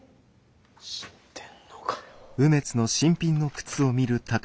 知ってんのかよ。